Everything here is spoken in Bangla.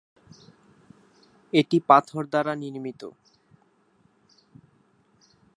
এটি পাথর দ্বারা নির্মিত।